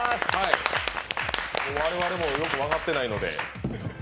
我々、よく分かってないので。